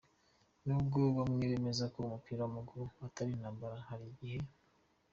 Nubwo bamwe bemeza ko umupira w’amaguru atari intambara, hari igihe .